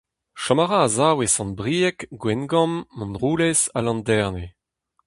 Chom a ra a-sav e Sant-Brieg, Gwengamp, Montroulez ha Landerne.